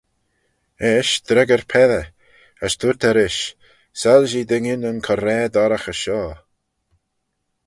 Eisht dreggyr Peddyr, as dooyrt Eh rish, Soilshee dooinyn yn coraa-dorraghey shoh.